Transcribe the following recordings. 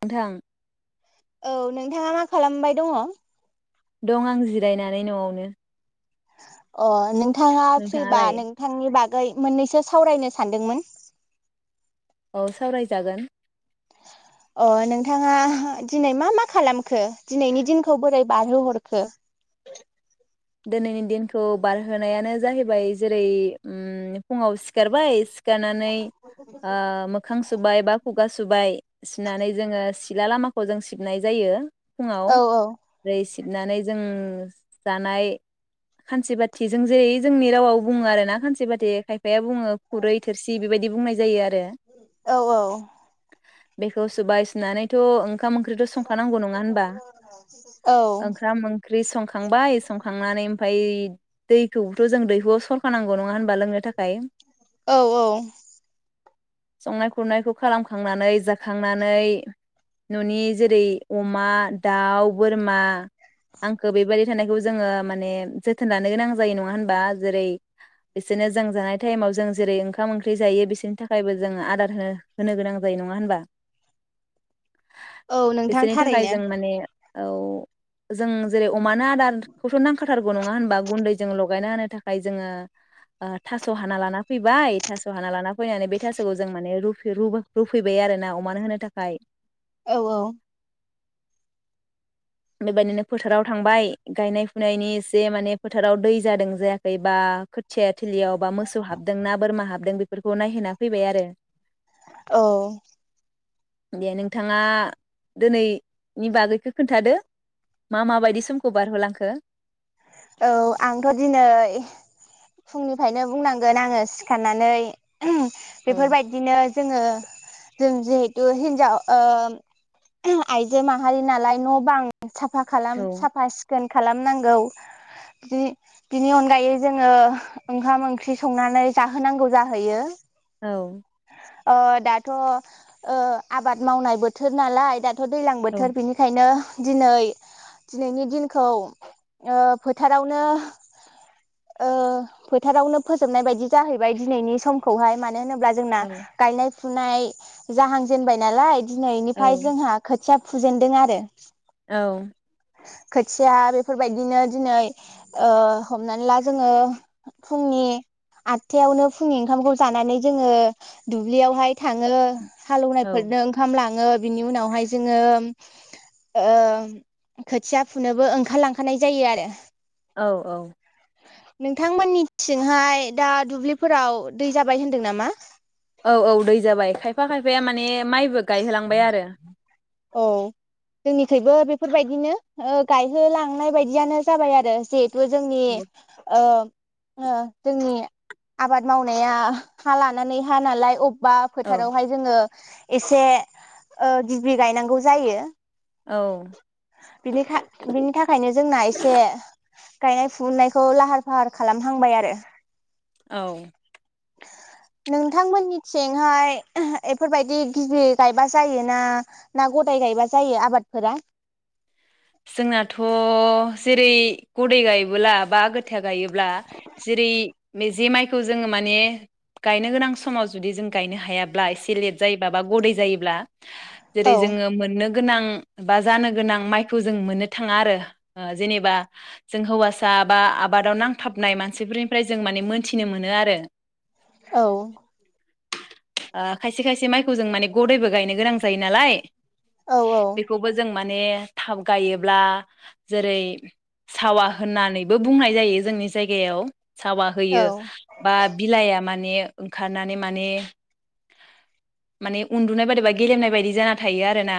नोंथां। औ नोंथाङा मा खालामबाय दङ'? दं आं जिरायनानै न'आवनो। अ नोंथाङा फ्रिबा नोंथाङालाय नोंथांनि बाग गै मोननैसो सावरायनो सानदोंमोन। औ सावरायजागोन। अ नोंथाङा दिनै मा मा खालामखो? दिनैनि दिनखौ बोरै बारहोहरखो? दोनैनि दिनखौ बारहोनायानो जाहैबाय जेरै उम फुङाव सिखारबाय सिख गानानै ओ मोखां सुबाय बा खुगा सुबाय सुनानै जोङो सिख सिला लामाखौ जों सिबनाय जायो। फुङाव औ औ बै सि सिबनानै जों जानाय। खानसि बाथि जों जेरै जोंनि रावाव। बुङो आरोना सानसेबाे खायफाया बुङो खुरै थोरसि बेबायदि बुंनाय जायो आरो। औ औ बेखौ सुबाय सुनानैथ' ओं। खाम ख्रिथ' संखानांगौ नङा होनबा? औ ओंखाम ओंख्रि संखांबाय संख ओमफाय दैखौबोथ' जों दैहुआव सरखानांगौ नङा होन बा लोंनो थाखाय। औ औ संनाय खुरनायखौ खालामखांनानै जाखांनानै न'नि जेरै अमा, दाउ, बोरमा आंखो बेबादि [unintelligible] जोङो माने जोथोन लानो गोनां जायो नङा होनबा जेरै- बिसोरनो जों जानाय थाइमाव जों जेरै- ओंखाम ओंख्रि जायो बिसोरनि थाखायबो जोङो आदारहो होनो गोनां जायो नङा होनबा औ नोंथां बिसोरनि थाखाय थारैनो जों माने औ जों जेरै- अमानो आदार खौथ' नांखाथारगौ नङा होनबा गुन्दै जों लगायना होनो थाखाय जोङो ओ थास' हाना लाना फैबाय थास' हाना लाना फैनानै बे थास'खौ जों माने रुफ रुबा रुफैबाय आरो ना अमानो होनो थाखाय औ औ बेबायदिनो फोथाराव थांबाय गायनाय फुनायनि एसे माने फोथाराव दै जादों जायाखै बा खोथिया थिलियाव बा मोसौ हाबदों ना बोरमा हाबदों बेफोरखौ नायहोना फैबाय आरो औ दे नोंथाङा दिनैनि बागैखौ खोन्थादो मा माबायदि समखौ बारहोलांखो? औ आंथ' दिनै फुंनिफ्रायनो बुंनांगोन आङो सिखारनानै [unintelligible] औ बेफोरबायदिनो जोङो जों जिहेथु हिनजाव ओ आइजो माहारि नालाय न' बां साफा औ खालाम साफा सिखोन खालामनांगौ जि बिनि अनगायै जोङो ओंखाम ओंख्रि संनानै जाहोनांगौ जाहैयो। औ ओ दाथ' ओ आबाद मावनाय बोथोर नालाय दा थ' दैज्लां औ बोथोर बिनिखायनो दिनै दिनैनि दिनखौ ओ फोथारावनो ओ फोथारावनो फोजोबनाय बायदि जाहैबाय दिनैनि समखौहाय मानो होनोब्ला जोंना औ औ गायनाय फुनाय जाहांजेनबाय नालाय दिनैनिफ्राय औ जोंहा खोथिया फुजेनदों आरो औ खोथिया बेफोरबायदिनो दिनै ओ हमनानै ला जोङो फुंनि आदथायावनो फुंनि ओंखामखौ जानानै जोङो दुब्लियावहाय थाङो औ हालौवनायफोरनो ओंखाम लाङो बिनि उनावहाय जोङो ओ खोथिया फुनोबो ओंखारलांखानाय जायो आरो औ औ नोंथांमोननिथिंहाय दा दुब्लिफोराव दै जाबाय होनदों नामा? औ औ दै जाबाय खायफा खायफाया माने माइबो गायहोलांबाय आरो औ जोंनिखैबो बेफोरबायदिनो ओ गायहोलांनाय बायदियानो जाबाय आरो जेहे थु जोंनि ओ ओ जोंनि आबाद मावनाया हा लानानै हा नालाय अब बा औ फोथारावहाय जोङो एसे ओ गि बि गायनांगौ जायो। औ बिनिखा बिनि थाखायनो जोंना एसे गायनाय फुनायखौ लाहार फाहार खालामहांबाय आरो औ नोंथांमोननिथिंहाय एफोरबायदि गिबि गायबा जायो ना ना गदाय गायबा जायो आबादफोरा? जोंनाथ' जेरै गदै गायबोला बा आगोथिया गायो ब्ला जेरै मिजि माइखौ जोङो माने गायनो गोनां समाव जुदि जों गायनो हायाब्ला एसे लेट जायोबा बा गदै जायोब्ला औ जेरै जोङो मोननो गोनां बा जानो गोनां माइ खौ जों मोननो थाङा आरो ओ जेनेबा जों हौवासा बा आबादाव नांथाबनाय मानसिफोरनिफ्राय जों माने मोनथिनो मोनो आरो औ खायसे खायसे माइखौ जों माने गदैबो गायनो गोनां जायो नालाय औ बेखौबो जों माने थाब गायोब्ला जेरै सावा होननानैबो बुंनाय जायो जोंनि जायगायाव सावा औ होयो बा बिलाइआ माने ओंखार नानै माने माने उन्दुनाय बायदिबा गेलेमनाय बायदि जाना थायो आरोना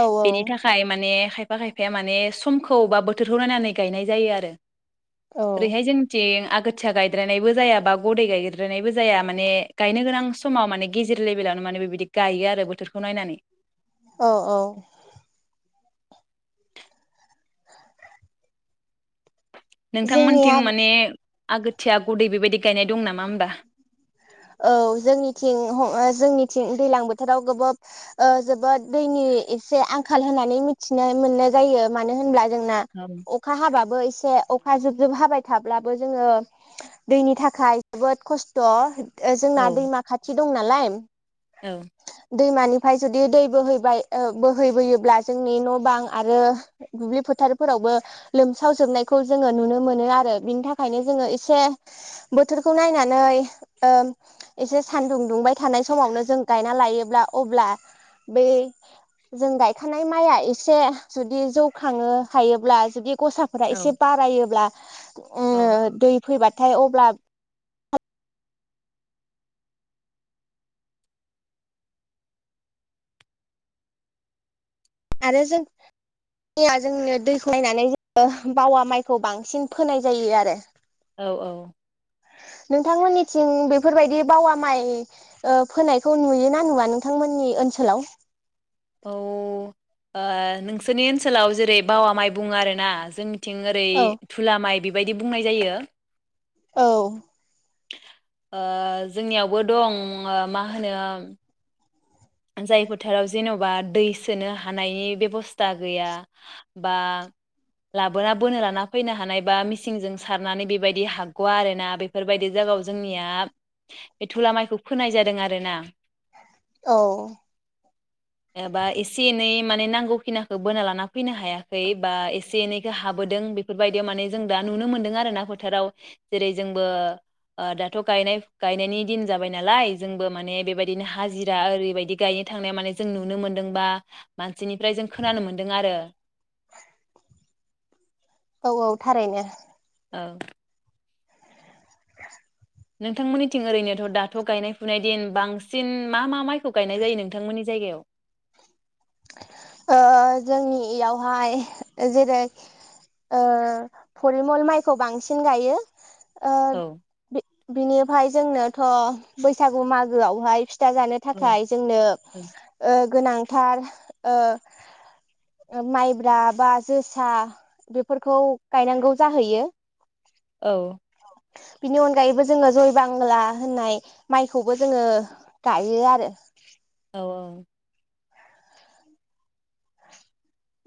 औ औ बेनि थाखाय माने खायफा खायफाया माने समखौ बा बोथोरखौ नायनानै गायनाय जायो आरो औ ओरैहाय जोंनिथिं आगोथिया गायद्रायबो जाया बा गदै गायद्रायबो जाया माने गायनो गोनां समाव माने गेजेर लेभेलावनो माने बेबायदि गायो आरो बोथोरखौ नायनानै औ औ जोंनिया नोंथांमोनथिं माने आगोथिया गुदै बेबायदि गायनाय दं नामा ओमबा? औ जोंनिथिं जोंनिथिं दैलां बोथोराव गोबाब जोबोद दैनि एसे आंखाल होननानै मिथिनो मोननाय जायो मानो होनब्ला जोंना औ अखा हाबाबो इसे अखा जोब जोब हाबाय थाब्लाबो जोङो दैनि थाखाय जोबोद खस्थ' जोंना औ दैमा खाथि दं नालाय औ दैमानिफ्राय जुदि दै बोहैबाय ओ बोहैबोयोब्ला जोंनि न' बां आरो दुब्लि फोथारफोरावबो लोमसावजोबनायखौ जोङो नुनो मोनो आरो बिनि थाखायनो जोङो एसे बोथोरखौ नायनानै ओ एसे सानदुं दुंबाय थानाय समावनो जों गायना लायोब्ला अब्ला बै जों गायखानाय माइआ एसे जुदि जौ खाङो हायोब्ला जुदि गसाफोरा एसे औ बारायोब्ला ओ औ दै फैबा थाय अब्ला आरो जोंनिया जोंनो दैखौ नायनानै जोङो बावा माइखौ बांसिन फोनाय जायो आरो औ औ नोंथांमोननिथिं बेफोरबायदि बावा माइ ओ फोनायखौ नुयोना नुवा नोंथांमोननि ओनसोलाव औ नोंसोरनि ओनसोलाव जेरै बावा माइ बुङो आरोना जोंनि ओरै औ थुला माइ बि बेबायदि बुंनाय जायो। औ ओ जोंनियावबो दं मा होनो जाय फोथाराव जेन'बा दै सोनो हानायनि बेबस्था गैया बा लाबोना बोनो लाना फैनो हानाय बा मेचिनजों सारनानै बेबायदि हागग'वा आरोना बेफोरबायदि जायगायाव जोंनिया बे थुला माइखौ फोनाय जादों आरोना। औ एबा एसे एनै माने नांगौ खिनिखौ बोना लाना फैनो हायाखै बा एसे एनैखौ हाबोदों बेफोरबायदियाव माने जों दा नुनो मोनदों आरोना फोथाराव जेरै जोंबो ओ दाथ गायनाय गायनायनि दिन जाबाय नालाय जोंबो माने बेबायदिनो हाजि दा ओरैबायदि गायनो थांनाय माने जों नुनो मोन्दोंबा मानसिनिफ्राय जों खोनानो मोन्दों आरो औ औ थारैनो औ नोंथांमोननिथिं ओरैनोथ दाथ गायनाय फुनाय दिन बांसिन मा मा माइखौ गायनाय जायो नोंथांमोननि जायगायाव ओ जोंनि इयावहाय जेरै ओ फरिमल माइखौ बांसिन गायो। ओ औ बिनिफाय जोंनोथ बैसागु मागोआवहाय फिथा जानो औ थाखाय जोंनो ओ गोनांथार ओ ओ माइब्रा बा जोसा बेफोरखौ गायनांगौ जाहैयो। औ बिनि अनगायैबो जोङो जय बांला होननाय माइखौबो जोङो गायो आरो। औ औ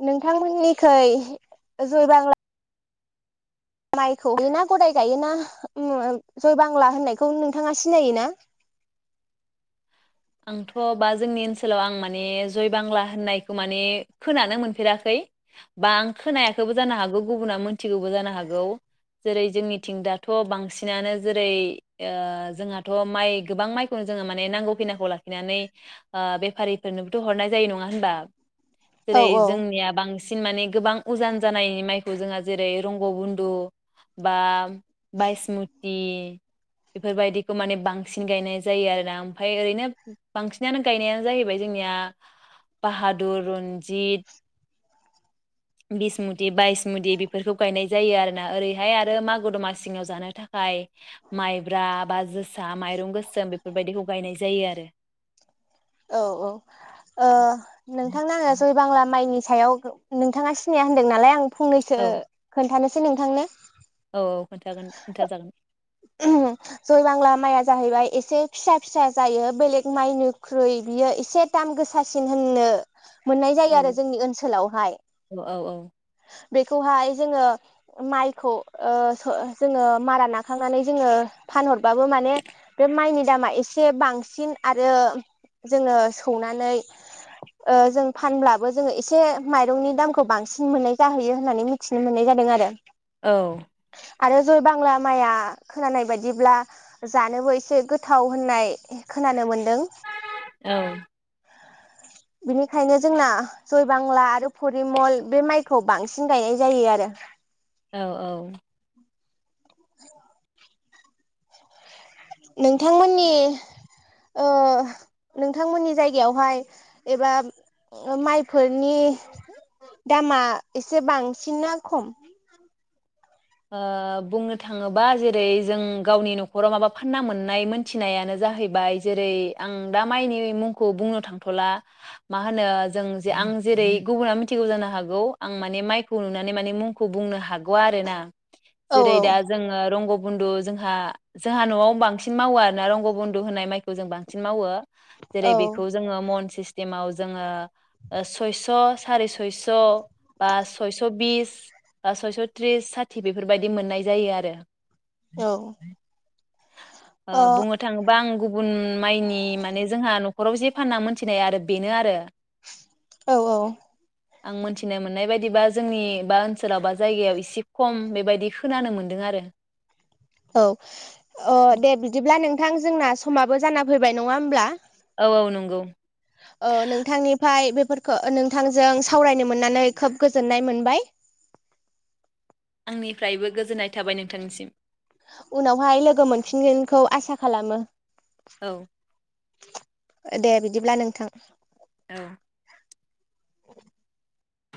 नोंथांमोननिखै जयबांला माइखौहायोना गदाय गायोना जय बांला होननायखौ नोंथाङा सिनायोना? आंथ' बा जोंनि ओनसोलाव आं माने जय बांला होननायखौ माने खोनानो मोनफेराखै बा आं खोनायाखैबो जानो हागौ गुबुना मोनथिगौबो जानो हागौ जेरै जोंनिथिं दाथ बांसिनानो जेरै जोंहाथ माइ गोबां माइखौनो जोंङो माने नांगौ फिनाखौ लाखिनानै ओ बेफारिफोरनोबोथ हरनाय जायो नङा होनबा। औ जेरै औ जोंनिया बांस सिन माने गोबां उजान जानायनि माइखौ जोंहा जेरै रंग' बन्धु बा बायसमुथि बेफोरबायदिखौ माने बांसिन गायनाय जायो आरो ना। फाय ओरैनो बांसिनानो गायनाया जाहैबाय जोंनिया बाहादुर रनजित बिसमुथि बायसमुथि बेफोरखौ गायनाय जायो आरोना ओरैहाय आरो मागो दमासिङाव जानो थाखाय माइब्रा बा जोस माइरं गोसोम बेफोरबायदिखौ गायनाय जायो आरो औ औ ओ नोंथांना आङो जयबांला माइनि सायाव नोंथाङा सिनाया होनदों नालाय आं फंनैसो औ खोन्थानो नोंथांनो औ औ खोन्थागोन खोन्था जागोन। ओम जय बांला माइआ जाहैबाय एसे फिसा फिसा जायो बेलेग माइनिख्रुइ बियो एसे दाम गोसासिन होननो मोननाय औ जायो आरो जोंनि ओनसोलावहाय औ औ बेखौहाय जोङो माइखौ ओ जोङो मारा नाग - खांनानै जोङो फानहरबाबो माने बे माइनि दामा एसे बांसिन आरो जोङो सौनानै ओ जों फानब्लाबो जोङो एसे माइरंनि दामखौ बांसिन मोननाय जाहैयो होननानै मिथिनो मोननाय जादों आरो। औ आरो जय बांला माइआ खोनानाय बायदिब्ला जानोबो एसे गोथाव होननाय खोनानो मोन औ बिनिखायनो जोंना जय बांला आरो परिमल बे माइखौ बांसिन गायनाय जायो आरो। औ औ नोंथांमोननि ओ नोंथांमोननि जायगायावहाय एबा माइफोरनि दामा एसे बांसिन ना खम? ओ बुंनो थाङोबा जेरै जों गावनि नखराव माबा फानना मोननाय मोनथिनायानो जाहैबाय जेरै आं दा माइनि मुंखौ बुंनो थांथला मा होनो जों जे आं जेरै गुबुना मिथिगौ जानो हागौ आं माने माइखौ नुनानै माने मुंखौ बुंनो हागौआ आरो ना। औ जेरै दा जोङो रंग' बन्दु जोंहा जोंहा न'आव बांसिन मावो आरो ना रंग' बन्दु होननाय माइखौ जों बांसिन मावो जेरै औ बेखौ जोङो मनसिस टिमाव जोङो सयस' सारे सयस' बा सयस' बिस ओ सयस' त्रिस सा थि बेफोरबायदि मोननाय जायो आरो। औ ओ अ बुंनो थाङोबा [unintelligible] गुबुन माइनि माने जोंहा न खराव जे फानना मोनथिनाय आरो बेनो आरो। औ औ आं मोनथिनो मोननाय बायदिबा जोंनि बा ओनसोलाव बा जायगायाव एसे खम बेबायदि खोनानो मोनदों आरो। औ अ दे बिदिब्ला नों थां जोंना समाबो जाना फैबाय नङा होमब्ला? औ औ नंगौ। ओ नोंथांनिफाय बेफोरखौ नोंथांजों सावरायनो मोननानै खोब गोजोननाय मोनबाय। आंनिफ्रायबो गोजोननाय थाबाय नोंथांनिसिम। उनावहाय लोगो मोनफिनगोनखौ आसा खालामो। औ दे बिदिब्ला नोंथां। औ